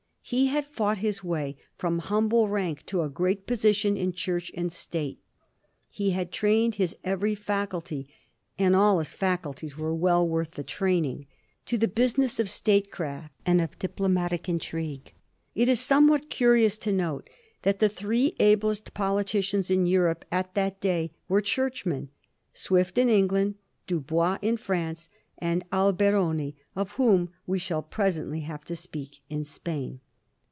He had fought his way from humble rank to a great position in Church and State. He had trained his every faculty — and all his faculties were well worth the training — to the business of statecraft and of diplo matic intrigue. It is somewhat curious to note that the three ablest politicians in Europe at that day were churchmen: Swift in England, Dubois in France, and Alberoni — of whom we shall presently have to speak — in Spain.